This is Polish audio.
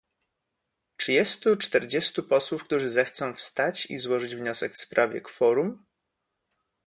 Czy jest tu czterdziestu posłów, którzy zechcą wstać i złożyć wniosek w sprawie kworum?